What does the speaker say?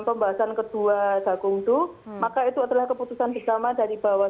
pembahasan kedua jakung tuh maka itu adalah keputusan bersama dari bawah itu